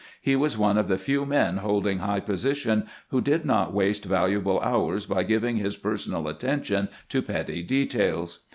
He was one of the few men holding high position who did not waste valuable hours by giving his personal attention to petty details.